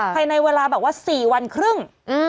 ภายในเวลาแบบว่า๔วันครึ่ง